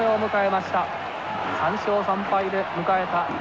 ３勝３敗で迎えた